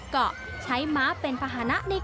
กลายเป็นประเพณีที่สืบทอดมาอย่างยาวนาน